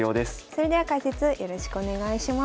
それでは解説よろしくお願いします。